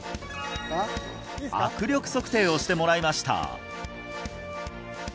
握力測定をしてもらいました